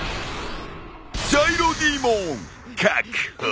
ジャイロデーモン確保。